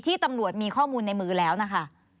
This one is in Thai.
ตำรวจมีข้อมูลในมือแล้วนะคะ